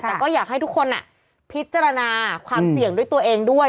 แต่ก็อยากให้ทุกคนพิจารณาความเสี่ยงด้วยตัวเองด้วย